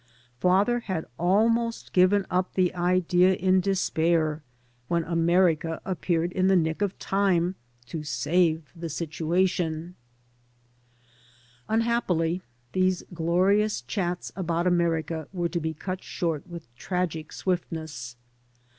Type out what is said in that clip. Father had almost given up the idea in despair when America appeared in the nick of time to save the situation. 21 AN AMERICAN IN THE MAKING Unhappily, these glorious chats about America were to be cut short with tragic swiftness.